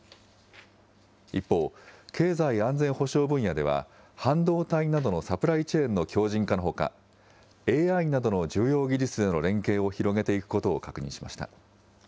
一方、経済安全保障分野では、半導体などのサプライチェーンの強じん化のほか、ＡＩなどの重要技術での連携を広げていくことを確認しました。